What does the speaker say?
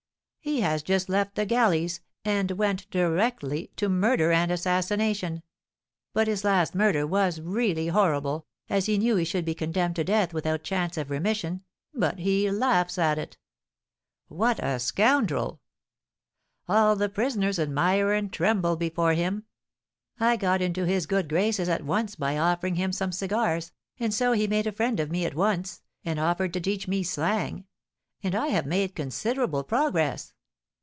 He has just left the galleys, and went directly to murder and assassination. But his last murder was really horrible, as he knew he should be condemned to death without chance of remission; but he laughs at it." "What a scoundrel!" "All the prisoners admire and tremble before him. I got into his good graces at once by offering him some cigars, and so he made a friend of me at once, and offered to teach me slang; and I have made considerable progress."